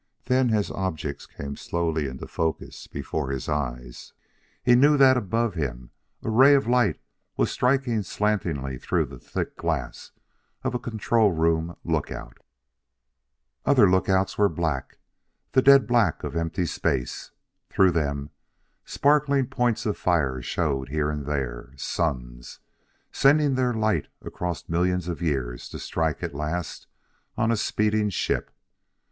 Then, as objects came slowly into focus before his eyes, he knew that above him a ray of light was striking slantingly through the thick glass of a control room lookout. Other lookouts were black, the dead black of empty space. Through them, sparkling points of fire showed here and there suns, sending their light across millions of years to strike at last on a speeding ship.